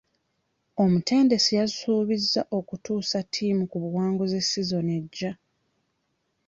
Omutendesi yasuubizza okutuusa ttiimu ku buwanguzi sizoni ejja.